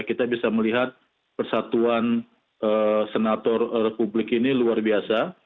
kita bisa melihat persatuan senator republik ini luar biasa